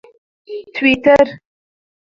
ټویټر